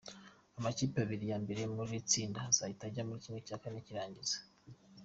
Amakipe abiri ya mbere muri buri tsinda azahita ajya muri ¼ cy’irangiza.